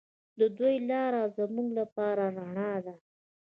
د دوی لاره زموږ لپاره رڼا ده.